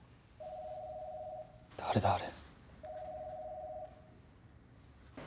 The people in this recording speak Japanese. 誰だあれ。